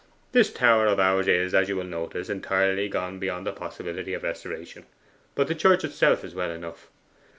This tower of ours is, as you will notice, entirely gone beyond the possibility of restoration; but the church itself is well enough.